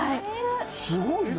すごいな。